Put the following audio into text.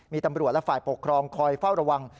มีตำรวจและฝ่ายปกครองคอยเฝ้าระวัง